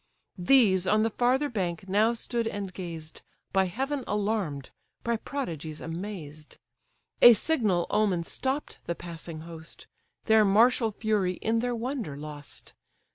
These on the farther bank now stood and gazed, By Heaven alarm'd, by prodigies amazed: A signal omen stopp'd the passing host, Their martial fury in their wonder lost.